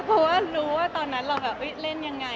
เพราะว่ารู้ว่าตอนนั้นเราแบบเล่นยังไง